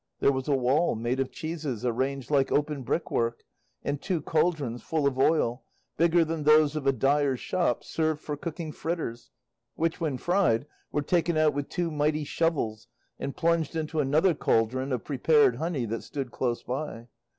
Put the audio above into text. There was a wall made of cheeses arranged like open brick work, and two cauldrons full of oil, bigger than those of a dyer's shop, served for cooking fritters, which when fried were taken out with two mighty shovels, and plunged into another cauldron of prepared honey that stood close by.